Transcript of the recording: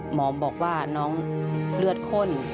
หมอบอกว่าน้องเลือดข้น